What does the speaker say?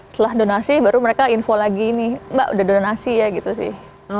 setelah donasi baru mereka info lagi nih mbak udah donasi ya gitu sih